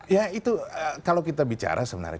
ya itu kalau kita bicara sebenarnya